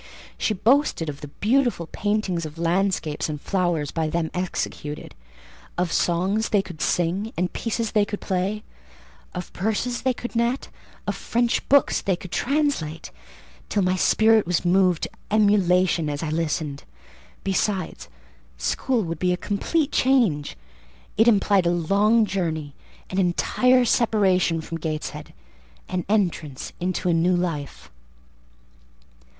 She boasted of beautiful paintings of landscapes and flowers by them executed; of songs they could sing and pieces they could play, of purses they could net, of French books they could translate; till my spirit was moved to emulation as I listened. Besides, school would be a complete change: it implied a long journey, an entire separation from Gateshead, an entrance into a new life.